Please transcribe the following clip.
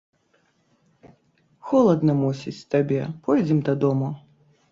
Холадна, мусіць, табе, пойдзем дадому.